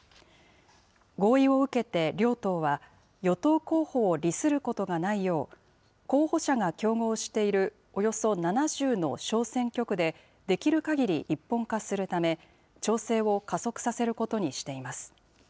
合意を受けて両党は、与党候補を利することがないよう、候補者が競合しているおよそ７０の小選挙区で、できるかぎり一本化するため、調整を加速させることにしています。